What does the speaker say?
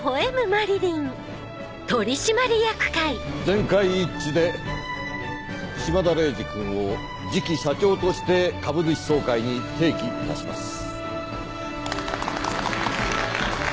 全会一致で島田礼治君を次期社長として株主総会に提起いたします。